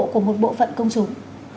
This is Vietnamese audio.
của một bộ phận công chúng